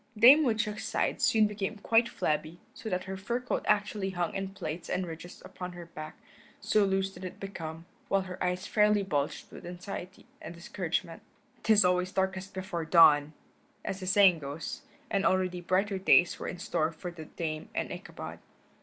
Dame Woodchuck's sides soon became quite flabby, so that her fur coat actually hung in plaits and ridges upon her back, so loose did it become, while her eyes fairly bulged with anxiety and discouragement. "'Tis always darkest before dawn," as the saying goes, and already brighter days were in store for the Dame and Ichabod.